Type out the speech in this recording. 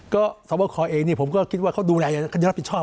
ก็สวบคอเองผมก็คิดว่าเขาดูแลเขาจะรับผิดชอบ